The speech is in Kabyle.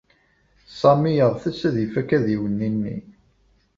Sami yeɣtes ad ifak adiwenni-nni.